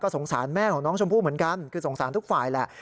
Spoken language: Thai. สงสารแม่ของน้องชมพู่เหมือนกันคือสงสารทุกฝ่ายแหละ